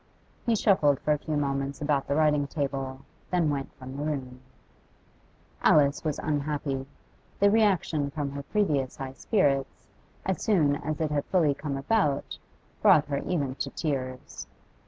He shuffled for a few moments about the writing table, then went from the room. Alice was unhappy. The reaction from her previous high spirits, as soon as it had fully come about, brought her even to tears.